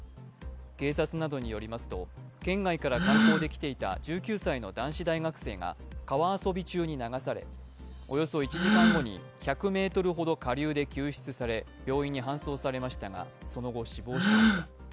警察などによりますと、県外から観光で来ていた１９歳の男子大学生が、川遊び中に流され、およそ１時間後に１００ｍほど下流で救出され病院に搬送されましたがその後、死亡しました。